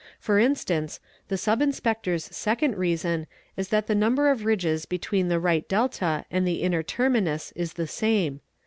For instance, the Sub Inspector second reason is that the number of ridges between the right delta ai the inner terminus is the same.